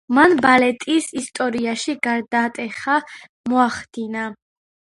მან ბალეტის ისტორიაში გარდატეხა მოახდინა.